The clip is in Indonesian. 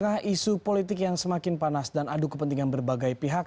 di tengah isu politik yang semakin panas dan adu kepentingan berbagai pihak